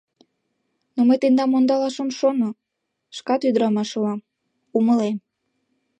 Но мый тендам ондалаш ом шоно, шкат ӱдрамаш улам, умылем.